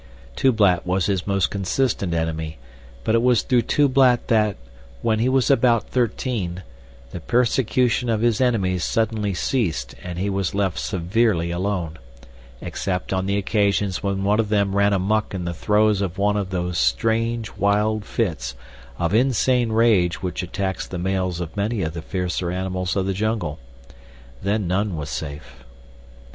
Tublat was his most consistent enemy, but it was through Tublat that, when he was about thirteen, the persecution of his enemies suddenly ceased and he was left severely alone, except on the occasions when one of them ran amuck in the throes of one of those strange, wild fits of insane rage which attacks the males of many of the fiercer animals of the jungle. Then none was safe.